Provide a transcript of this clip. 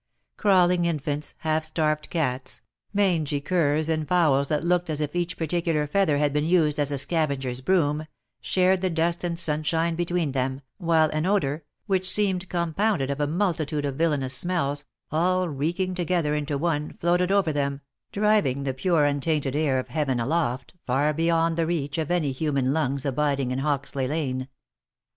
Crawling infants, half starved cats, mangy curs, and fowls that looked as if each particular feather had been used as a scavenger's broom, shared the dust and the sunshine between them, while an odour, which seemed compounded of a multitude of villanous smells, all reeking toge ther into one, floated over them, driving the pure untainted air of heaven aloft, far beyond the reach of any human lungs abiding in Hoxley lane.